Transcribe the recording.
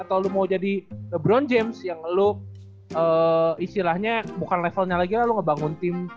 atau lo mau jadi brown james yang lo istilahnya bukan levelnya lagi lo ngebangun tim